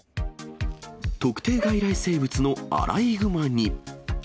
特定外来生物のアライグマに。